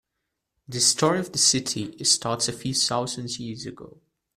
The story of the city starts a few thousand years ago.